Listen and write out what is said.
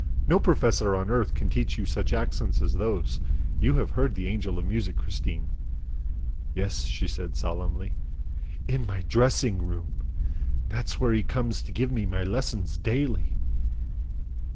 No professor on earth can teach you such accents as those. You have heard the Angel of Music, Christine." "Yes," she said solemnly, "IN MY DRESSING ROOM. That is where he comes to give me my lessons daily."